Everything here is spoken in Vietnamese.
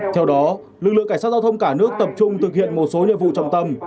theo đó lực lượng cảnh sát giao thông cả nước tập trung thực hiện một số nhiệm vụ trọng tâm